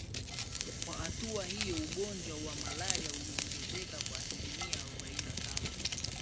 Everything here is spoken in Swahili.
Kwa hatua hiyo ugonjwa wa malaria uliongezeka kwa asilimia arobaini na tano